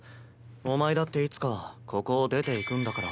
お前だっていつかはここを出ていくんだから。